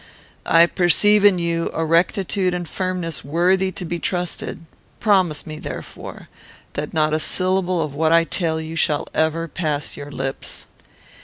I perceive in you a rectitude and firmness worthy to be trusted; promise me, therefore, that not a syllable of what I tell you shall ever pass your lips."